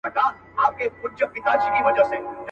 په ښکاره یې اخیستله رشوتونه.